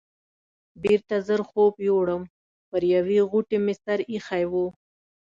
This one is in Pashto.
بېرته ژر خوب یووړم، پر یوې غوټې مې سر ایښی و.